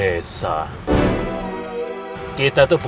mas h patriotas media